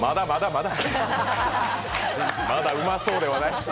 まだうまそうではない。